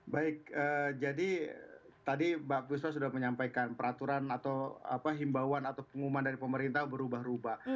baik jadi tadi mbak kuswo sudah menyampaikan peraturan atau himbauan atau pengumuman dari pemerintah berubah ubah